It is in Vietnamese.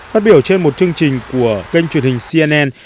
phát biểu trên một chương trình của kênh truyền hình cnn